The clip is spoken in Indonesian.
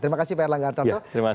terima kasih pak erlangga hartarto